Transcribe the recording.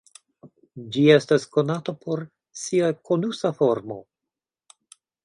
Ĝi estas konata por sia konusa formo.